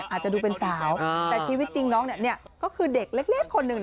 อาจจะดูเป็นสาวแต่ชีวิตจริงน้องเนี่ยก็คือเด็กเล็กคนหนึ่ง